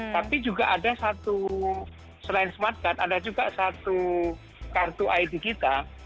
tapi juga ada satu selain smart guard ada juga satu kartu id kita